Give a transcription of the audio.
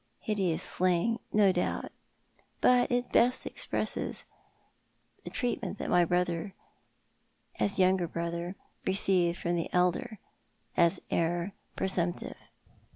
Hideous slang, no doubt, but it best expresses the treatment the younger brother received from the elder — as heir presumptive.